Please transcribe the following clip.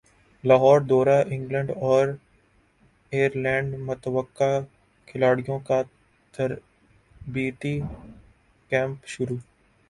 لاہوردورہ England اور ئرلینڈمتوقع کھلاڑیوں کا تربیتی کیمپ شروع